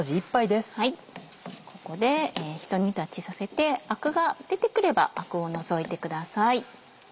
ここでひと煮立ちさせてアクが出てくればアクを除いてください。